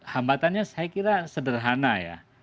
hambatannya saya kira sederhana ya